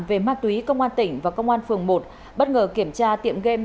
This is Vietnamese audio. về ma túy công an tỉnh và công an phường một bất ngờ kiểm tra tiệm game